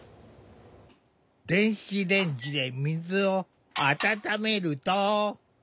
電子レンジで水を温めると。